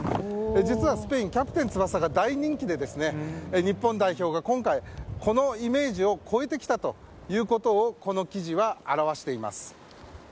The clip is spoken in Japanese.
実はスペイン「キャプテン翼」が大人気で日本代表が今回、このイメージを超えてきたということをこの記事は表しています。